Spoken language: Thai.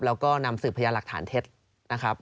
แล้วก็นำสืบพยานหลักฐานเท็จนะครับ